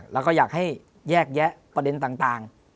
แล้วก็อยากให้แยกแยะประเด็นต่าง